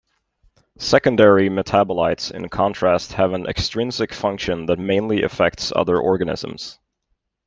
Secondary metabolites in contrast have an extrinsic function that mainly affects other organisms.